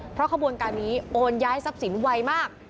เพราะขบวนการนี้โอนย้ายทรัพย์สินไวมาก